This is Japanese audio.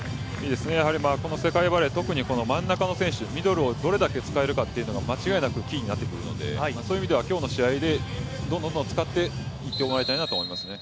この世界バレー真ん中の選手、ミドルをどれだけ使えるかが間違いなくキーになってくるのでそういう意味では今日の試合でどんどん使っていってもらいたいなと思いますね。